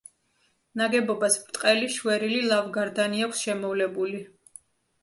ნაგებობას ბრტყელი, შვერილი ლავგარდანი აქვს შემოვლებული.